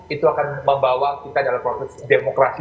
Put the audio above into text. itu akan membawa kita dalam proses demokrasi